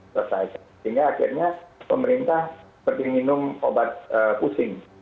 sehingga akhirnya pemerintah seperti minum obat pusing